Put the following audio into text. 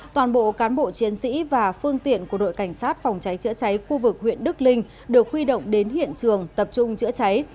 toàn bộ cán bộ chiến sĩ và phương tiện của đội cảnh sát phòng cháy chữa cháy khu vực huyện đức linh được huy động đến hiện trường tập trung chữa cháy